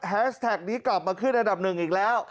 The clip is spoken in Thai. แท็กนี้กลับมาขึ้นอันดับหนึ่งอีกแล้ว